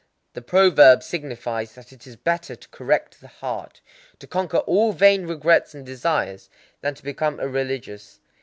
The proverb signifies that it is better to correct the heart,—to conquer all vain regrets and desires,—than to become a religious.